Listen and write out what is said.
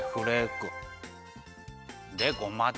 でごまだ。